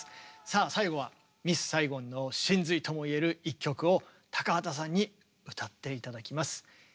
さあ最後は「ミス・サイゴン」の神髄とも言える一曲を高畑さんに歌って頂きます。